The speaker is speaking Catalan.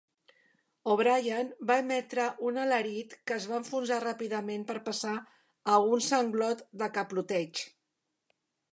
O'Brien va emetre un alarit que es va enfonsar ràpidament per passar a un sanglot de clapoteig.